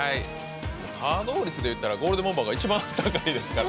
稼働率でいったらゴールデンボンバーが一番高いですから。